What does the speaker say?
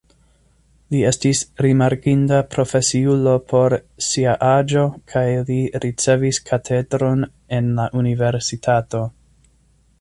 Li estis rimarkinda profesiulo por sia aĝo kaj li ricevis katedron en la universitato.